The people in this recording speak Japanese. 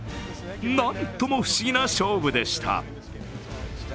なんとも不思議な勝負でした。